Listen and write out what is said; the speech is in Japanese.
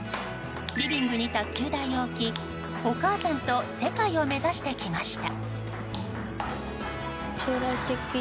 リビングに卓球台を置きお母さんと世界を目指してきました。